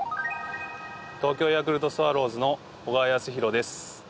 東京ヤクルトスワローズの小川泰弘です。